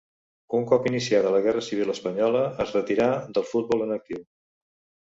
Un cop iniciada la Guerra Civil espanyola es retirà del futbol en actiu.